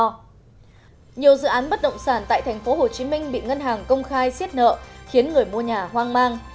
nhiều dự án bất động sản tại tp hcm bị ngân hàng công khai xiết nợ khiến người mua nhà hoang mang